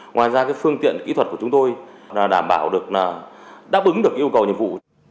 ngoài ra phương tiện kỹ thuật của chúng tôi đảm bảo đáp ứng được yêu cầu nhiệm vụ